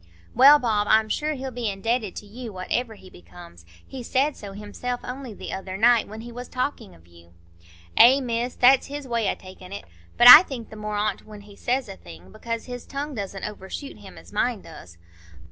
"Well, Bob, I'm sure he'll be indebted to you, whatever he becomes; he said so himself only the other night, when he was talking of you." "Eh, Miss, that's his way o' takin' it. But I think the more on't when he says a thing, because his tongue doesn't overshoot him as mine does.